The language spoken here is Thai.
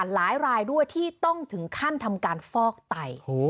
หลายรายด้วยที่ต้องถึงขั้นทำการฟอกไต